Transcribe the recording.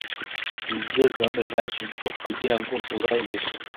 Ni izihe gahunda zashyizweho kugira ngo zubahirizwe